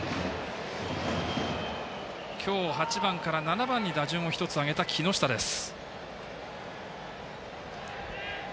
今日８番から７番に打順を１つ上げた木下です。